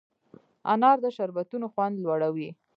انار د شربتونو خوند لوړوي.